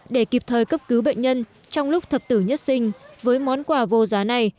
để kịp thời cấp cứu bệnh nhân trong lúc thập tử nhất sinh với món quà vô giá này